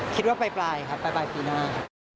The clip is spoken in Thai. คิดว่าปลายครับปลายปีหน้า